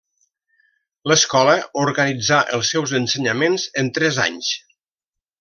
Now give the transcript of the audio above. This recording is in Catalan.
L’Escola organitzà els seus ensenyaments en tres anys.